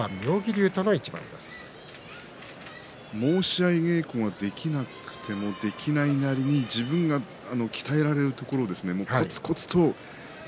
申し合い、稽古ができなくてもできないなりに自分が鍛えられるところですね